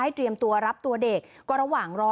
เตรียมตัวรับตัวเด็กก็ระหว่างรอ